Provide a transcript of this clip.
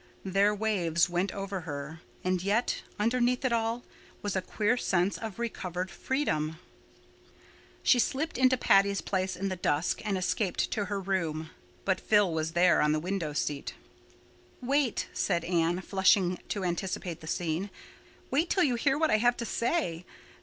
Their waves went over her. And yet, underneath it all, was a queer sense of recovered freedom. She slipped into Patty's Place in the dusk and escaped to her room. But Phil was there on the window seat. "Wait," said Anne, flushing to anticipate the scene. "Wait til you hear what I have to say.